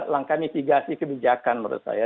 langkah mitigasi kebijakan menurut saya